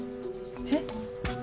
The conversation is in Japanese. えっ？